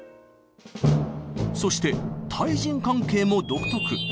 そして対人関係も独特。